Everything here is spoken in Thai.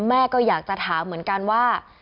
แม่ก็อยากจะถามเหมือนกันว่า